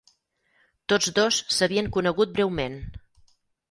Tots dos s'havien conegut breument.